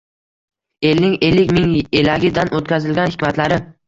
Elning "ellik ming elagi"dan o‘tkazilgan hikmatlari...